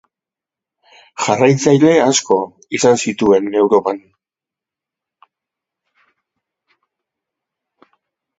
Jarraitzaile asko izan zituen Europan.